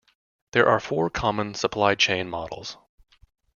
There are four common supply chain models.